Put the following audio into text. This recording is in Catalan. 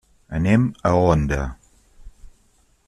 Anem a Onda.